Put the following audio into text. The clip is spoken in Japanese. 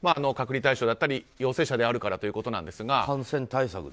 隔離対象だったり陽性者であるからということなんですが。